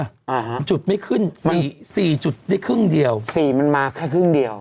อ่าฮะจุดไม่ขึ้นสี่สี่จุดได้ครึ่งเดียวสี่มันมาแค่ครึ่งเดียว